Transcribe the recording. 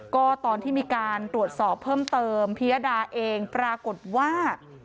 ก็ตอนที่มีการตรวจสอบเพิ่มเติมพิยดาเองปรากฏว่า